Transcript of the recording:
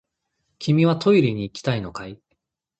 君はトイレに行きたいのかい？